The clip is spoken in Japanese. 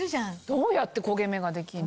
どうやって焦げ目ができんの？